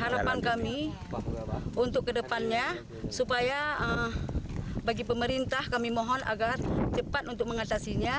harapan kami untuk kedepannya supaya bagi pemerintah kami mohon agar cepat untuk mengatasinya